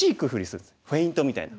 フェイントみたいな。